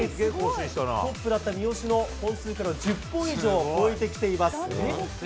トップだった三好の本数からは１０本以上超えてきています。